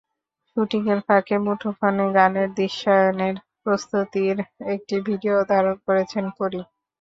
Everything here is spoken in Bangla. শুটিংয়ের ফাঁকে মুঠোফোনে গানের দৃশ্যায়নের প্রস্তুতির একটি ভিডিও ধারণ করেছেন পরী।